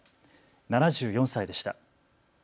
７４歳でした。